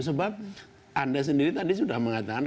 sebab anda sendiri tadi sudah mengatakan